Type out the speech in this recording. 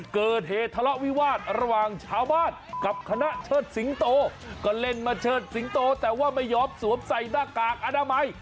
เกิดเหตุทะเลาะวิวาสระหว่างชาวบ้านกับคณะเชิดสิงโตก็เล่นมาเชิดสิงโตแต่ว่าไม่ยอมสวมใส่หน้ากากอนามัย